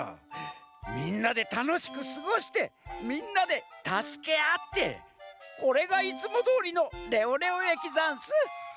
みんなでたのしくすごしてみんなでたすけあってこれがいつもどおりのレオレオえきざんす！